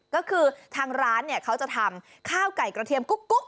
ก็คือทางร้านเนี่ยเขาจะทำข้าวไก่กระเทียมกุ๊ก